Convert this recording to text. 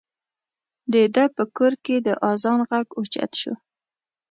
د ده په کور کې د اذان غږ اوچت شو.